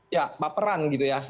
ya baperan gitu ya